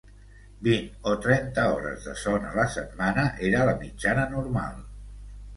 Vint o trenta hores de son a la setmana era la mitjana normal